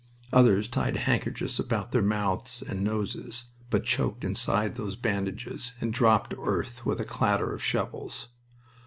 Others tied handkerchiefs about their mouths and noses, but choked inside those bandages, and dropped to earth with a clatter of shovels.